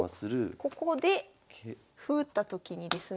ここで歩打ったときにですね